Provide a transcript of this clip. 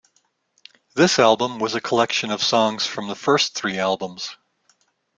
This album was a collection of songs from the first three albums.